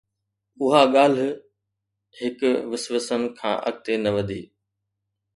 اھا ڳالھھ ھڪ وسوسن کان اڳتي نه وڌي